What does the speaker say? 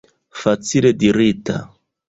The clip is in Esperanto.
Facile dirita!